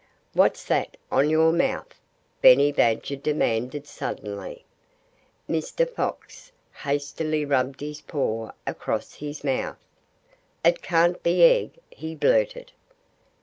"What's that on your mouth?" Benny Badger demanded suddenly. Mr. Fox hastily rubbed his paw across his mouth. "It can't be egg," he blurted.